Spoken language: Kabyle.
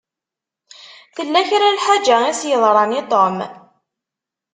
Tella kra lḥeǧa i s-yeḍṛan i Tom.